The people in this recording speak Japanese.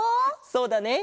そうだね。